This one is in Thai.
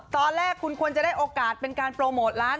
ตอนแรกคุณควรจะได้โอกาสเป็นการโปรโมทร้าน